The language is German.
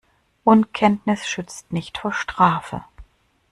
Unkenntnis schützt nicht vor Strafe.